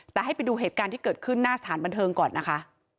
แต่ให้ไปดูเหตุการณ์ที่เกิดขึ้นหน้าสถานบันเทิงก่อนนะคะ